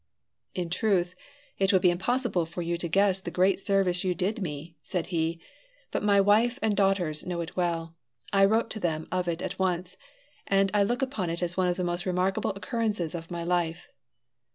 "In truth, it would be impossible for you to guess the great service you did me," said he, "but my wife and daughters know it well; I wrote to them of it at once. And I look upon it as one of the most remarkable occurrences of my life."